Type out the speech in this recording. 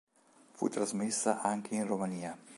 Fu trasmessa anche in Romania.